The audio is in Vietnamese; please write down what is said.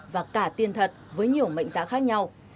và cả tiền thật với nhiều mệnh giá khác nhau